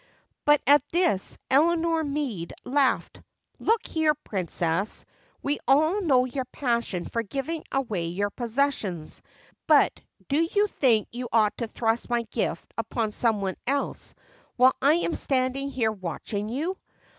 But at this Eleanor Meade laughed. "Look here, Princess, we all know your passion for giving away your possessions, but do you think you ought to thrust my gift upon some one else while I am standing here watching you?